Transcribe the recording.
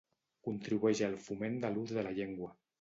Contribueix al foment de l'ús de la llengua